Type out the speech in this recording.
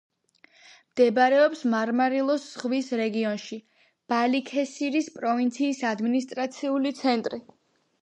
მდებარეობს მარმარილოს ზღვის რეგიონში, ბალიქესირის პროვინციის ადმინისტრაციული ცენტრი.